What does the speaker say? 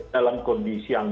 dalam kondisi yang